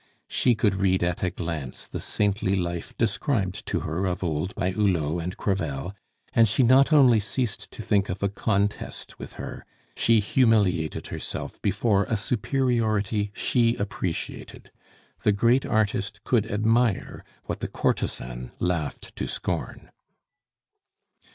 She could read at a glance the saintly life described to her of old by Hulot and Crevel; and she not only ceased to think of a contest with her, she humiliated herself before a superiority she appreciated. The great artist could admire what the courtesan laughed to scorn.